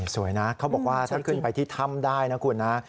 สวยนะเขาบอกว่าถ้าขึ้นไปที่ถ้ำได้นะคุณนะ